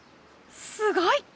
すごい！